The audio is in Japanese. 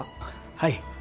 はい。